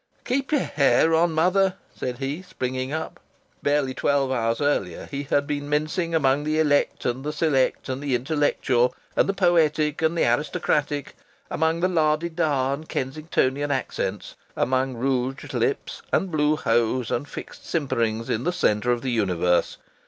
"Keep your hair on, mother," said he, springing up. Barely twelve hours earlier he had been mincing among the elect and the select and the intellectual and the poetic and the aristocratic; among the lah di dah and Kensingtonian accents; among rouged lips and blue hose and fixed simperings; in the centre of the universe.